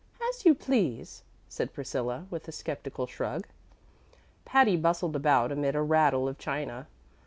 "As you please," said Priscilla, with a skeptical shrug. Patty bustled about amid a rattle of china.